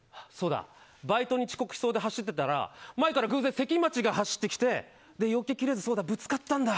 バイトに遅刻しそうで走ってたら前から偶然、関町が走ってきてよけきれずぶつかったんだ。